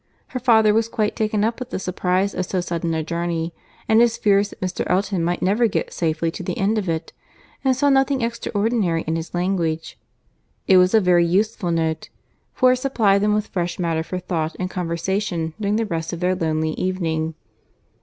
—Her father was quite taken up with the surprize of so sudden a journey, and his fears that Mr. Elton might never get safely to the end of it, and saw nothing extraordinary in his language. It was a very useful note, for it supplied them with fresh matter for thought and conversation during the rest of their lonely evening.